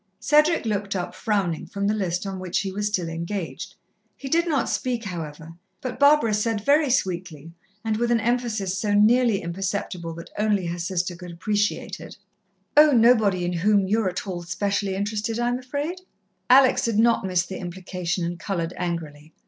Cedric looked up, frowning, from the list on which he was still engaged. He did not speak, however; but Barbara said very sweetly, and with an emphasis so nearly imperceptible that only her sister could appreciate it: "Oh, nobody in whom you're at all specially interested, I'm afraid." Alex did not miss the implication, and coloured angrily.